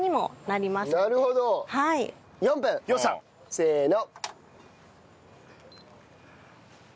せーの。